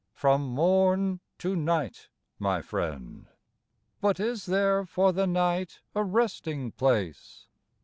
From morn to night, my friend. But is there for the night a resting place?